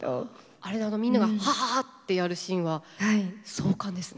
あれあのみんなが「ははっ！」ってやるシーンは壮観ですね。